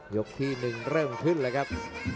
ยกที่หนึ่งเริ่มขึ้นเลยครับ